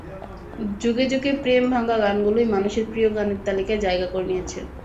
যুগে যুগে প্রেম ভাঙা গানগুলোই মানুষের প্রিয় গানের তালিকায় জায়গা করে নিয়েছে।